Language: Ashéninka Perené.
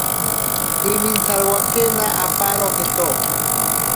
Imintsarowakena aparo jeto.